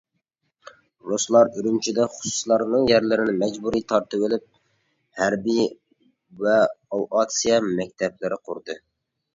رۇسلار ئۈرۈمچىدە خۇسۇسلارنىڭ يەرلىرىنى مەجبۇرىي تارتىۋېلىپ ھەربىي ۋە ئاۋىياتسىيە مەكتەپلىرى قۇردى.